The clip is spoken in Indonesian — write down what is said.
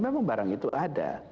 memang barang itu ada